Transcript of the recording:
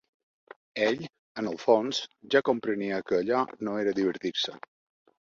Ell, en el fons, ja comprenia que allò no era divertir-se